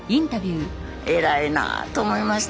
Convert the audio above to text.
偉いなと思いました。